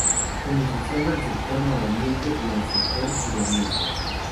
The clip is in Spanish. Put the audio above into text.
Beneficiando al sector nororiente y el sector suroriente.